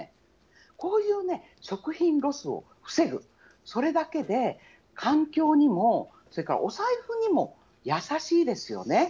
こういう食品ロスを防ぐ、それだけで環境にも、それからお財布にも優しいですよね。